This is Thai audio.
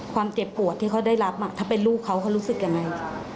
ความเจ็บปวดที่เขาได้รับถ้าเป็นลูกเขาเขารู้สึกยังไง